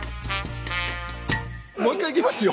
もう一回いきますよ？